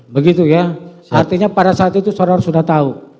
begitu ya artinya pada saat itu saudara sudah tahu